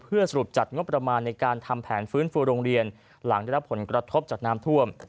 เพื่อสรุปจัดงบประมาณในการทำแผนฟื้นฟรกรางได้รับผลกระทบจากนามท่วม